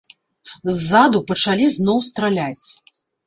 Ззаду пачалі зноў страляць.